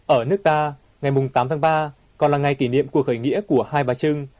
ở nước ta ngày tám tháng ba còn là ngày kỷ niệm cuộc khởi nghĩa của hai bà trưng